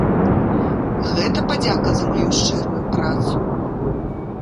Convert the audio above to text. Гэта падзяка за маю шчырую працу?!